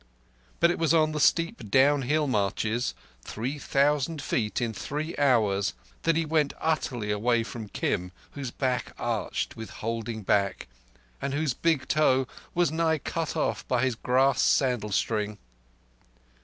But it was on the steep downhill marches, three thousand feet in three hours, that he went utterly away from Kim, whose back ached with holding back, and whose big toe was nigh cut off by his grass sandal string.